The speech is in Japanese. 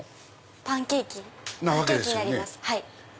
パンケーキになります。